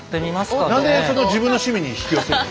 何でその自分の趣味に引き寄せるの？